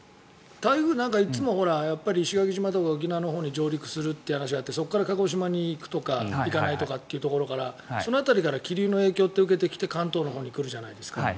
台風、いつも石垣島とか沖縄のほうに上陸するという話があってそこから鹿児島に行くとか行かないとかっていうところからその辺りから気流の影響って受けてきて関東のほうに来るじゃないですか。